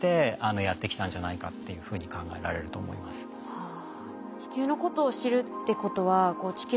はあ。